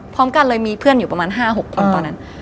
พร้อมกันเลยมีเพื่อนอยู่ประมาณ๕๖คนตอนนั้น